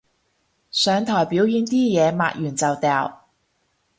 上台表演啲嘢抹完就掉